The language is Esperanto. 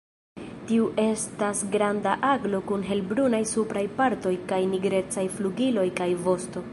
Tiu estas granda aglo kun helbrunaj supraj partoj kaj nigrecaj flugiloj kaj vosto.